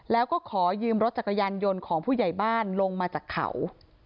แล้วก็ขอยืมรถจักรยานยนต์ของผู้ใหญ่บ้านลงมาจากเขา